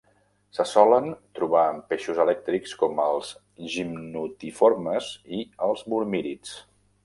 Se solen trobar en peixos elèctrics com els gimnotiformes i els mormírids.